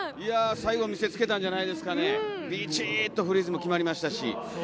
最後は見せつけたんじゃないですかね、ビチっとフリーズも決まりましたし。